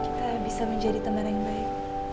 kita bisa menjadi teman yang baik